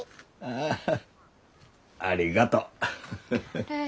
ああありがとう。